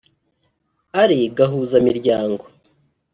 ari gahuza-miryango